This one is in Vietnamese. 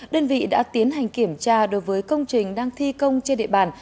đơn vị đã tiến hành kiểm tra đối với công trình đang thi công trên địa bàn